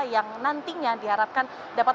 yang nantinya diharapkan dapat